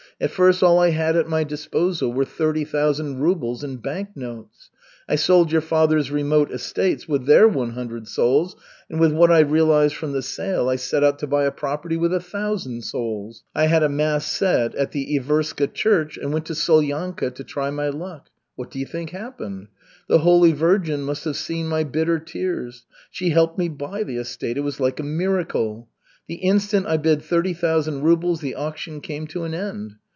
At first all I had at my disposal were thirty thousand rubles in bank notes. I sold your father's remote estates with their one hundred souls, and with what I realized from the sale I set out to buy a property with a thousand souls. I had a mass said at the Iverska Church and went to Solyanka to try my luck. What do you think happened? The Holy Virgin must have seen my bitter tears. She helped me buy the estate. It was like a miracle. The instant I bid thirty thousand rubles the auction came to an end.